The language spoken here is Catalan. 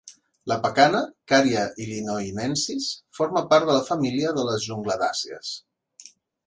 La pacana (Carya illinoinensis) forma part de la família de les jungladàcies.